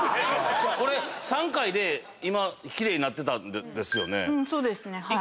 これ３回で今奇麗になってたんですよね